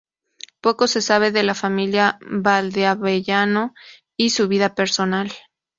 Poco se sabe de la familia Valdeavellano y de su vida personal.